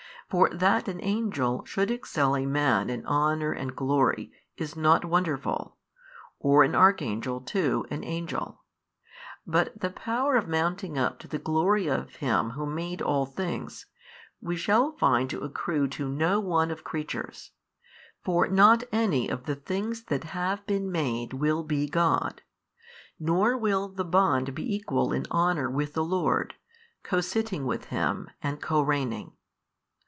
For that an angel should excel a man in honour and glory is nought |590 wonderful, or an archangel too an angel; but the power of mounting up to the glory of Him Who made all things, we shall find to accrue to no one of creatures: for not any of the things that have been made will be God, nor will the bond be equal in honour with the Lord, co sitting with Him and co reigning.